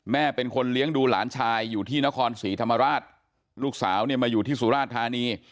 แม่เป็นคนเลี้ยงดูหลานชายอยู่ที่นครศรีธรรมราชลูกสาวเนี่ยมาอยู่ที่สุราชธานี